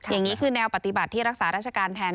อย่างนี้คือแนวปฏิบัติที่รักษาราชการแทน